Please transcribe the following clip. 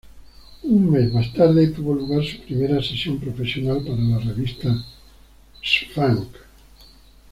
Un mes más tarde, tuvo lugar su primera sesión profesional para la revista "Swank".